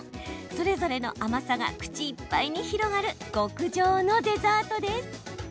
それぞれの甘さが口いっぱいに広がる極上のデザートです。